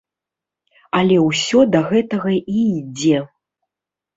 Але ўсё да гэтага і ідзе.